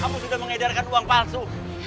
kamu sudah mengedarkan uang palsu